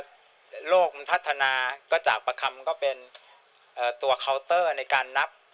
โลกมันพัฒนาก็จากประคำก็เป็นตัวเคาน์เตอร์ในการนับ